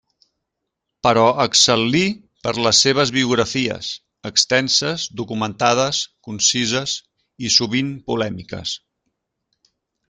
Però excel·lí per les seves biografies, extenses, documentades, concises i sovint polèmiques.